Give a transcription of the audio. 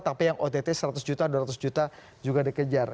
tapi yang ott seratus juta dua ratus juta juga dikejar